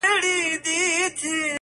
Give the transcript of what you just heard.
رمې دي د هغه وې اې شپنې د فريادي وې!